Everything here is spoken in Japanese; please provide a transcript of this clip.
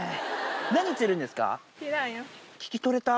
何、釣るんですか？